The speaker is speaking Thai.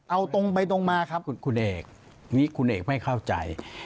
เอาตรงไปตรงมาครับคุณเอกคุณเอกไม่เข้าใจ